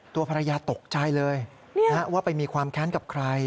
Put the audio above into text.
ตัวภรรยาตกใจเลยว่าไปมีความแค้นกับใคร